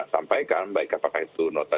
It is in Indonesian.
sampaikan baik apakah itu nota